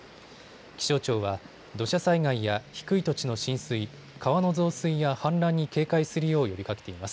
気象庁は土砂災害や低い土地の浸水、川の増水や氾濫に警戒するよう呼びかけています。